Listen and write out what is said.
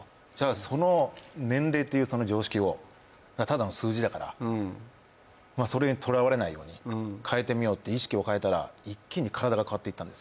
その年齢っていう常識をただの数字だからそれにとらわれないように変えてみようって、意識を変えたら一気に体が変わってったんです。